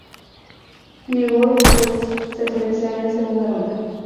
Milwaukee Bucks le seleccionó en segunda ronda.